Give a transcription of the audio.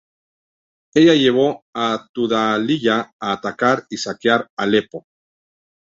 Esto llevó a Tudhaliya a atacar y saquear Alepo.